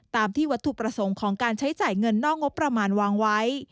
ตามที่วัตถุประสงค์ของการใช้จ่ายเงินนอกงบประมาณวางไว้